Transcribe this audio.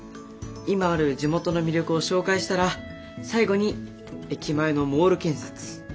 今ある地元の魅力を紹介したら最後に駅前のモール建設。